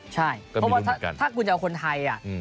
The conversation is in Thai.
ใช่เพราะว่าถ้าคุณจะเอาคนไทย